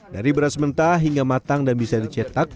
dari beras mentah hingga matang dan bisa dicetak